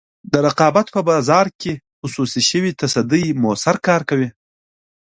د رقابت په بازار کې خصوصي شوې تصدۍ موثر کار کوي.